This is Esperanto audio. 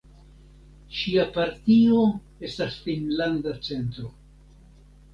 Ŝia partio estas Finnlanda centro.